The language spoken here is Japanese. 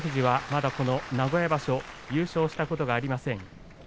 まだ名古屋場所を優勝したことがありません。